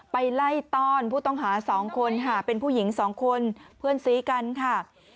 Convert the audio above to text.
ไปไล่ต้อนผู้ต้องหา๒คนค่ะเป็นผู้หญิง๒คนเพื่อนสีกันค่ะ